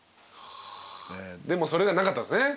でもそれがなかったんですね。